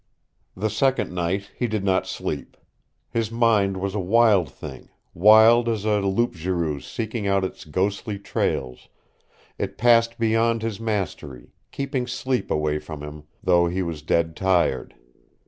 The second night he did not sleep. His mind was a wild thing wild as a Loup Garou seeking out its ghostly trails; it passed beyond his mastery, keeping sleep away from him though he was dead tired.